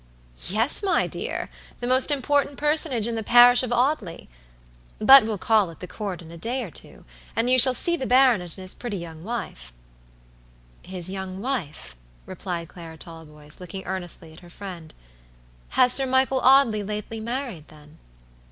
"Yes, my dear; the most important personage in the parish of Audley. But we'll call at the Court in a day or two, and you shall see the baronet and his pretty young wife." "His young wife!" replied Clara Talboys, looking earnestly at her friend. "Has Sir Michael Audley lately married, then?"